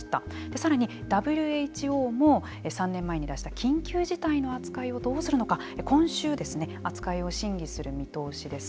さらに、ＷＨＯも３年前に出した緊急事態の扱いをどうするのか今週、扱いを審議する見通しです。